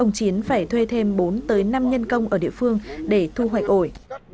ông chiến phải thuê thêm bốn tới năm nhân công ở địa phương để thu hoạch ổi